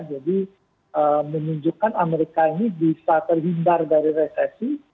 jadi menunjukkan amerika ini bisa terhindar dari resesi